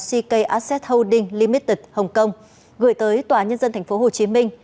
ck asset holding limited hồng kông gửi tới tòa nhân dân tp hcm